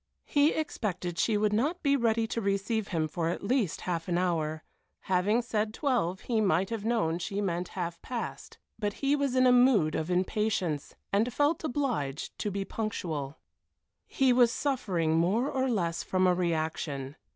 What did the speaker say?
He expected she would not be ready to receive him for at least half an hour; having said twelve he might have known she meant half past, but he was in a mood of impatience, and felt obliged to be punctual. He was suffering more or less from a reaction.